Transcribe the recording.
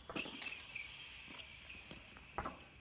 পরে এ সম্পর্কে আলোচনা করা হবে।